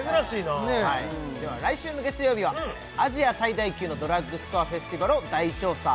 残念ねえはいでは来週の月曜日はアジア最大級のドラッグストアフェスティバルを大調査